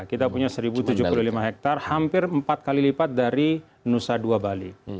kita punya seribu tujuh puluh lima hektare hampir empat kali lipat dari nusa dua bali